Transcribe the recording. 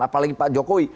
apalagi pak jokowi